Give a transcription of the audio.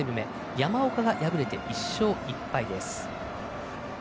山岡が敗れて１勝１敗。